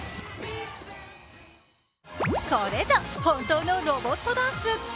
これぞ本当のロボットダンス。